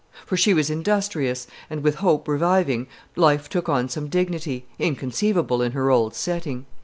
For she was industrious, and, with hope reviving, life took on some dignity, inconceivable in her old setting.